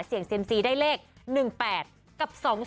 เสี่ยงเซียมซีได้เลข๑๘กับ๒๔